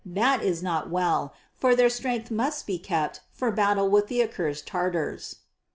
That is not well, for their strength must be kept for battle with accursed Tatars."